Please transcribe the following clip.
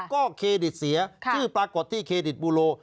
ก็เครดิตเสียชื่อปรากฏที่เครดิตบูโล